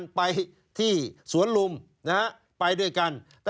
ชีวิตกระมวลวิสิทธิ์สุภาณฑ์